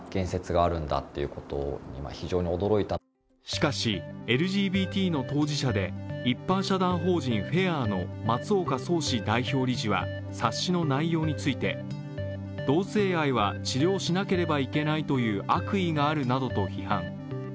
しかし、ＬＧＢＴの当事者で一般社団法人ｆａｉｒ松岡宗嗣代表理事は冊子の内容について、同性愛は治療しなければいけないという悪意があるなどと批判。